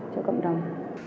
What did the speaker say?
cho cộng đồng